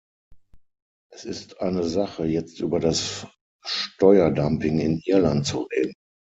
Es ist eine Sache, jetzt über das Steuerdumping in Irland zu reden.